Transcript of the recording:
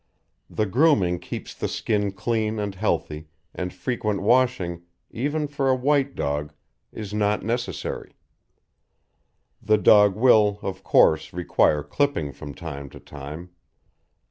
The grooming keeps the skin clean and healthy, and frequent washing, even for a white dog, is not necessary. The dog will, of course, require clipping from time to time.